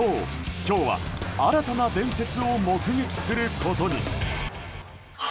今日は、新たな伝説を目撃することに。